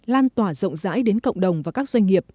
lan tỏa rộng rãi đến cộng đồng và các doanh nghiệp